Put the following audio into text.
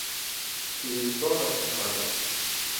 He was brought up in Harlem.